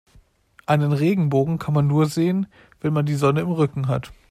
Einen Regenbogen kann man nur sehen, wenn man die Sonne im Rücken hat.